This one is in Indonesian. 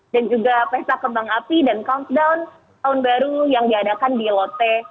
dan juga pesak kembang api dan countdown tahun baru yang diadakan di lotte